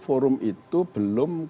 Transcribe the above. forum itu belum